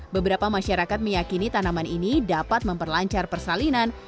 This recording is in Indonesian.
beberapa masyarakat meyakini tanaman ini dapat memperlancar persalinan